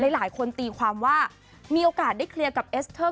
หลายคนตีความว่ามีโอกาสได้เคลียร์กับเอสเตอร์